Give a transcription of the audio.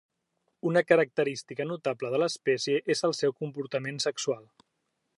Una característica notable de l'espècie és el seu comportament sexual.